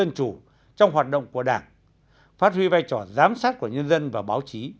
đồng thời đấu tranh chống chủ trong hoạt động của đảng phát huy vai trò giám sát của nhân dân và báo chí